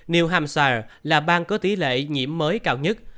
new hamsò là bang có tỷ lệ nhiễm mới cao nhất